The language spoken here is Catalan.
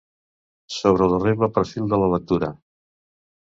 Sobre l'horrible perill de la lectura.